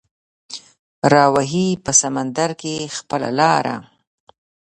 راوهي په سمندر کې خپله لاره